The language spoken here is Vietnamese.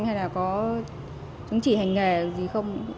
hay là có chứng chỉ hành nghề gì không